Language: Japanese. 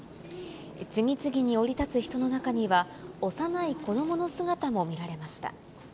次々に降り立つ人の中には、幼い子どもの姿も見られました。